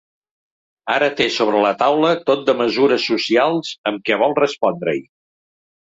Ara té sobre la taula tot de mesures socials amb què vol respondre-hi.